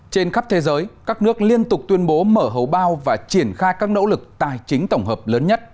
trên khắp thế giới các nước liên tục tuyên bố mở hấu bao và triển khai các nỗ lực tài chính tổng hợp lớn nhất